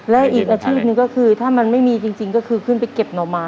และอีกอาชีพหนึ่งก็คือถ้ามันไม่มีจริงก็คือขึ้นไปเก็บหน่อไม้